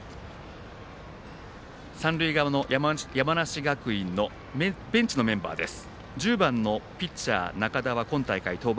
三塁側の山梨学院のベンチのメンバーです。